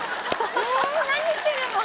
何してるの？